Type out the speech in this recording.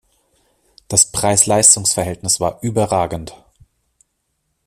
Das Preis-Leistungs-Verhältnis war überragend!